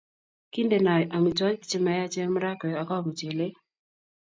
kindenoi amitwogik chemayachen marakwek ago muchelek